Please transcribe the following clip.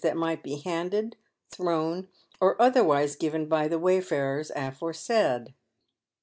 101 that might be handed, thrown, or otherwise given by the wayfarers aforesaid.